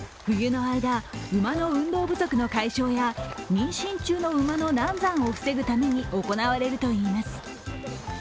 冬の間、馬の運動不足の解消や妊娠中の馬の難産を防ぐために行われるといいます。